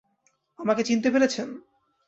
আমাকে চিনতে পেরেছেন?